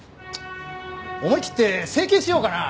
思い切って整形しようかなあ？